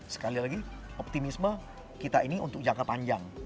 sekali lagi optimisme kita ini untuk jangka panjang